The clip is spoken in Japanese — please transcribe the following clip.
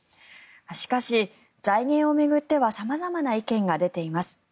しかし、財源を巡っては様々な意見が出ています。